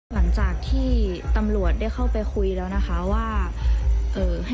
หลังจากที่ตำรวจได้เข้าไปคุยแล้วนะคะว่าเอ่อ